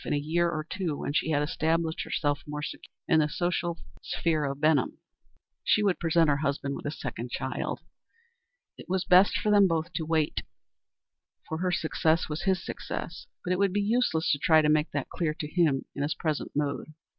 In a year or two, when she had established herself more securely in the social sphere of Benham, she would present her husband with a second child. It was best for them both to wait, for her success was his success; but it would be useless to try to make that clear to him in his present mood.